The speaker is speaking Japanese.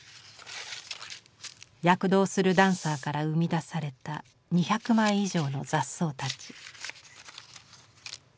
躍動するダンサーから生み出された２００枚以上の雑草たち。